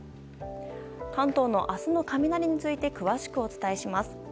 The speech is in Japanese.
関東の明日の雷について詳しくお伝えします。